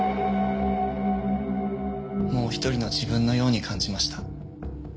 もう一人の自分のように感じました。